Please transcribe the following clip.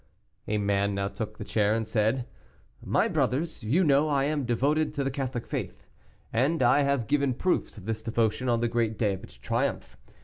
A man now took the chair and said, "My brothers, you know I am devoted to the Catholic faith, and I have given proofs of this devotion on the great day of its triumph.